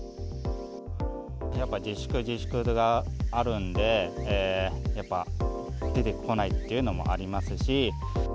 やっぱり自粛自粛があるんで、やっぱ出てこないっていうのもありますし。